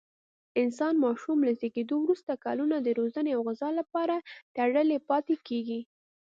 انسان ماشوم له زېږېدو وروسته کلونه د روزنې او غذا لپاره تړلی پاتې کېږي.